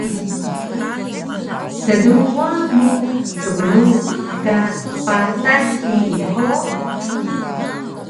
Tduwa mu kbrxun ka patas nii hug?